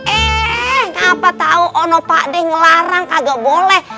eh kenapa tahu orang pak de ngelarang kagak boleh